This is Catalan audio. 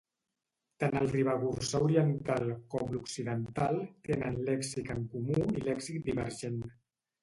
Tant el ribagorçà oriental com l'occidental tenen lèxic en comú i lèxic divergent.